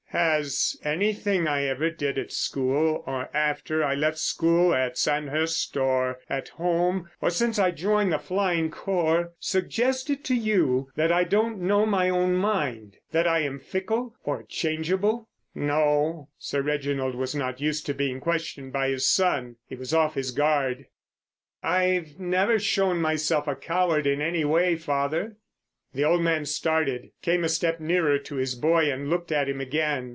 "Has anything I ever did at school or after I left school, at Sandhurst or at home or since I joined the Flying Corps, suggested to you that I don't know my own mind? That I am fickle or changeable?" "No." Sir Reginald was not used to being questioned by his son. He was off his guard. "I've never shown myself a coward in any way, father?" The old man started, came a step nearer to his boy and looked at him again.